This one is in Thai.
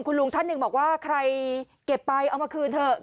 คุณลุงท่านหนึ่งบอกว่าใครเก็บไปเอามาคืนเถอะ